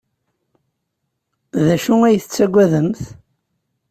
D acu ay tettaggademt?